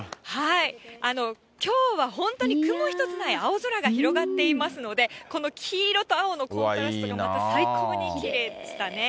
きょうは本当に雲一つない青空が広がっていますので、この黄色と青のコントラストがまた最高にきれいでしたね。